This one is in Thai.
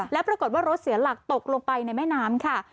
แล้วปรากฏว่ารถเสียหลักตกลงไปในแม่น้ำค่ะ